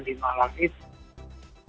di malang itu